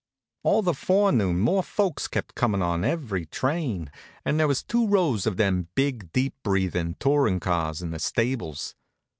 All the forenoon more folks kept comin' on every train, and there was two rows of them big, deep breathin' tourin' cars in the stables.